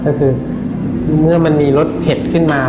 ก็คือเมื่อมันมีรสเผ็ดขึ้นมา